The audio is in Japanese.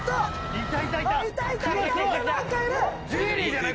いたいたいた！